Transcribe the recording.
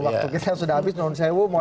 waktu kita sudah habis nonsyewo